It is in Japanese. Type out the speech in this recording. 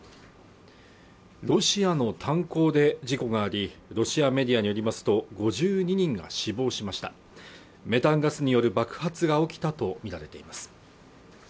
ロシアの炭鉱で事故がありロシアメディアによりますと５２人が死亡しましたメタンガスによる爆発が起きたと見られています